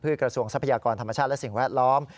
เพื่อกระทรวงทรัพยากรธรรมชาติและสิ่งแวดล้อม